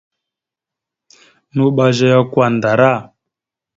Nuɓa zeya kwandara.